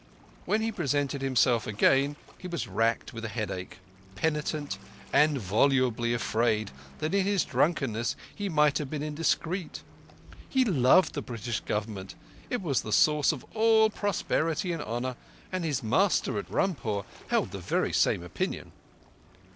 When he presented himself again he was racked with a headache—penitent, and volubly afraid that in his drunkenness he might have been indiscreet. He loved the British Government—it was the source of all prosperity and honour, and his master at Rampur held the very same opinion.